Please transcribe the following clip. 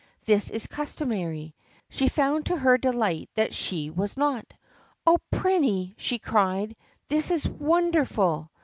This is customary. She found to her de light that she was not. "Oh, Prinny!" she cried, "this is won derful!"